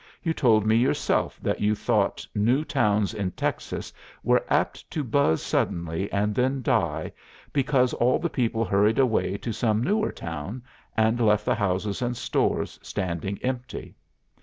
You told me yourself that you thought new towns in Texas were apt to buzz suddenly and then die because all the people hurried away to some newer town and left the houses and stores standing empty.